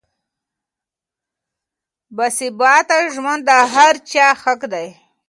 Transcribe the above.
باثباته ژوند د هر چا حق دی.